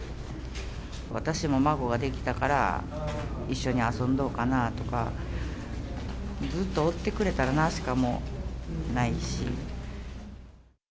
私も孫ができたから、一緒に遊んだかなとか、ずっとおってくれたらなしかもうないし。